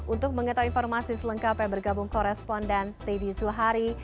untuk mengetahui informasi selengkap yang bergabung korespondan teddy suhari